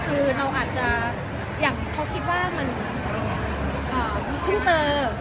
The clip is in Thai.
หรือเราอาจจะเขาคิดว่ามันเพิ่งเจอ